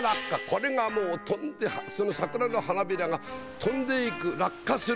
これがもう飛んでその桜の花びらが飛んでいく落花する。